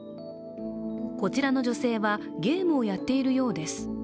こちらの女性はゲームをやっているようです。